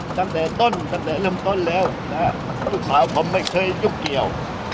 ตั้งแต่ต้นตั้งแต่ลำต้นแล้วลูกสาวผมไม่ใช่ยุคเกี่ยว